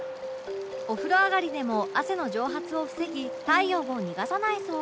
お風呂上がりでも汗の蒸発を防ぎ体温を逃がさないそう